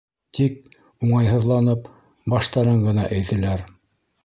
Тик, уңайһыҙланып, баштарын ғына эйҙеләр.